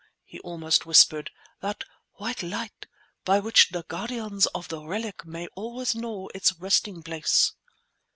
he almost whispered—"that white light by which the guardians of the relic may always know its resting place!"